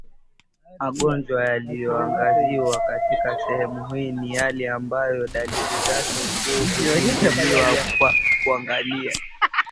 Magonjwa yaliyoangaziwa katika sehemu hii ni yale ambayo dalili zake kuu hugunduliwa kwa kuangalia